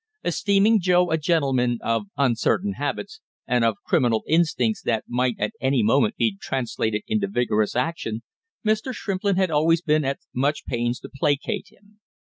Esteeming Joe a gentleman of uncertain habits, and of criminal instincts that might at any moment be translated into vigorous action, Mr. Shrimplin had always been at much pains to placate him.